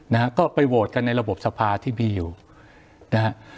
นะฮะก็ไปโหวตกันในระบบสภาที่มีอยู่นะฮะ